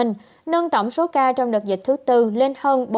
nâng tổng số ca trong đợt dịch thứ tư lên hơn bốn trăm linh